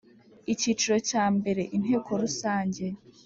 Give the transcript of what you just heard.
Icyiciro cya mbere Inteko Rusange